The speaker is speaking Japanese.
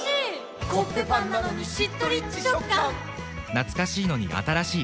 懐かしいのに新しい。